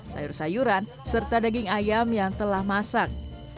sayur sayuran serta daging ayam yang telah masak